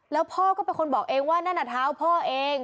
แล้วพ่อก็เป็นคนบอกเองว่านั่นน่ะเท้าพ่อเอง